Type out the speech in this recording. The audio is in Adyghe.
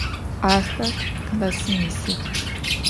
Axer klassım yisıx.